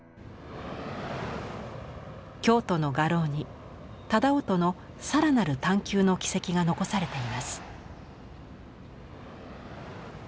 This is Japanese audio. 京都の画廊に楠音の更なる探求の軌跡が残されています。